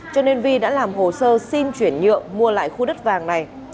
cho nên vi đã làm hồ sơ xin chuyển nhượng mua lại khu đất vàng này